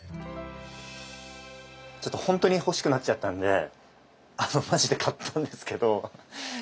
ちょっと本当に欲しくなっちゃったんであのまじで買ったんですけど。